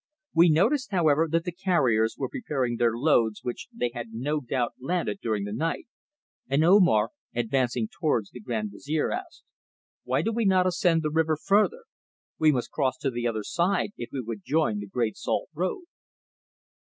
We noticed, however, that the carriers were preparing their loads which they had no doubt landed during the night, and Omar, advancing towards the Grand Vizier, asked: "Why do we not ascend the river further? We must cross to the other side if we would join the Great Salt Road."